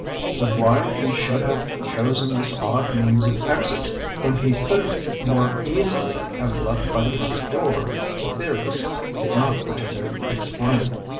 But why he should have chosen this odd means of exit, when he could have more easily have left by the front door, the theorists did not pretend to explain.